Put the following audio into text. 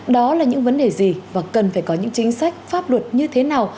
đó là những vấn đề gì và cần phải có những chính sách pháp luật như thế nào